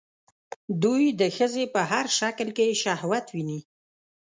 دوی د ښځې په هر شکل کې شهوت ويني